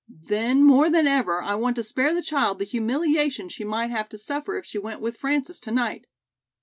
"Then, more than ever, I want to spare the child the humiliation she might have to suffer if she went with Frances to night.